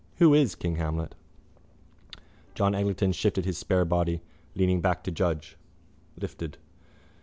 Who is King Hamlet? John Eglinton shifted his spare body, leaning back to judge. Lifted.